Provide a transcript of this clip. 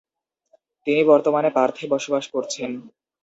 তিনি বর্তমানে পার্থে বসবাস করছেন।